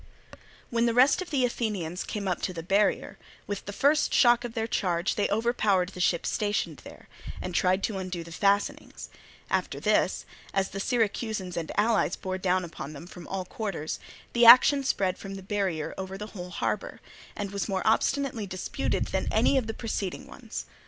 When the rest of the Athenians came up to the barrier, with the first shock of their charge they overpowered the ships stationed there, and tried to undo the fastenings; after this, as the Syracusans and allies bore down upon them from all quarters, the action spread from the barrier over the whole harbour, and was more obstinately disputed than any of the preceding ones.